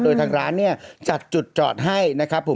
โดยทางร้านเนี่ยจัดจุดจอดให้นะครับผม